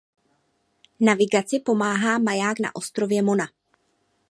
Navigaci pomáhá maják na ostrově Mona.